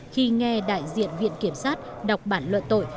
khi nghe đại diện viện kiểm sát đọc bản luận tội